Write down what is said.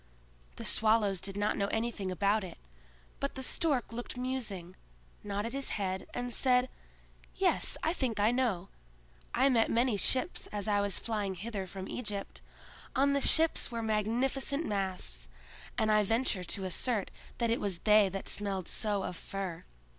The Swallows did not know anything about it; but the Stork looked musing, nodded his head, and said: "Yes; I think I know; I met many ships as I was flying hither from Egypt; on the ships were magnificent masts, and I venture to assert that it was they that smelled so of fir.